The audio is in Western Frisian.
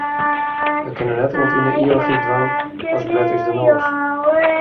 Wy kinne net oant yn de ivichheid dwaan as blet ús de noas.